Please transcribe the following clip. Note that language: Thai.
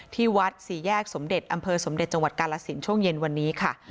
ที่วัดสี่แยกสมเด็จอำเภอสมเด็จจังหวัดกาลสินช่วงเย็นวันนี้ค่ะ